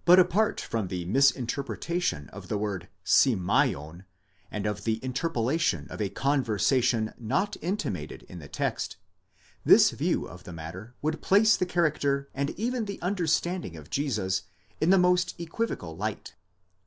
9. But, apart from the misinterpretation of the word σημεῖον, and the in terpolation of a conversation not intimated in the text; this view of the matter would place the character and even the understanding of Jesus in the most equivocal light.